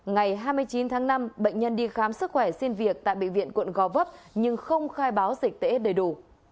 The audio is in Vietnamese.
ngày hai mươi chín tháng năm bệnh nhân đi khám sức khỏe xin việc tại bệnh viện quận gò vấp nhưng không khai báo dịch tễ đầy đủ